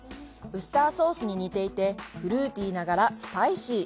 ウスターソースに似ていてフルーティーながらスパイシー！